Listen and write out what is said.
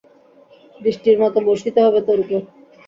বৃষ্টির মতো বর্ষিত হবে তোর উপর।